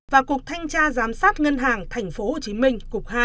và cục thanh tra giám sát ngân hàng thành phố hồ chí minh